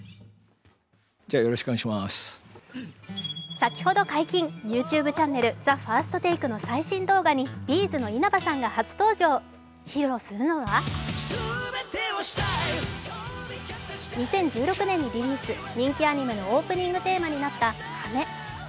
先ほど解禁ＹｏｕＴｕｂｅチャンネル「ＴＨＥＦＩＲＳＴＴＡＫＥ」の最新動画にＢ’ｚの稲葉さんが初登場披露するのは２０１６年にリリース、人気アニメのオープニングテーマになった「羽」。